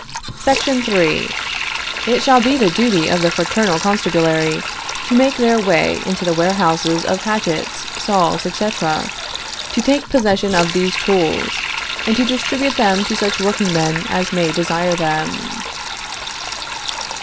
SEC. 3. It shall be the duty of the fraternal constabulary to make their way into the warehouses of hatchets, saws, etc., to take possession of these tools, and to distribute them to such workingmen as may desire them.